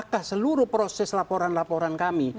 apakah seluruh proses laporan laporan kami